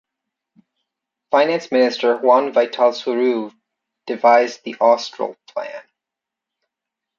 Finance Minister Juan Vital Sourrouille devised the Austral plan.